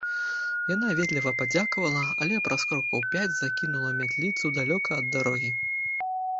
Яна ветліва падзякавала, але праз крокаў пяць закінула мятліцу далёка ад дарогі.